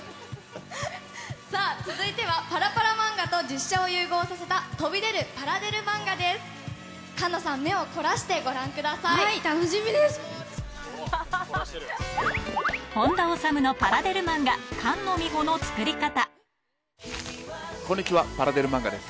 さあ、続いてはパラパラ漫画と実写を融合させた飛び出るパラデル漫画です。